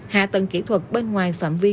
hạ tầng kỹ thuật bên ngoài phạm vi